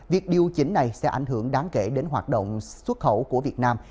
việc điều chỉnh này sẽ ảnh hưởng đáng kể đến hoạt động xuất khẩu của việt nam